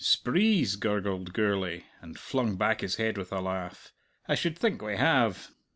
"Sprees!" gurgled Gourlay, and flung back his head with a laugh. "I should think we have.